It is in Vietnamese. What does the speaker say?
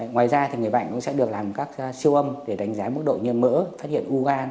ngoài ra người bệnh cũng sẽ được làm các siêu âm để đánh giá mức độ nhiễm mỡ phát hiện u gan